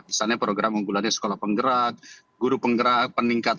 misalnya program unggulannya sekolah penggerak guru penggerak peningkatan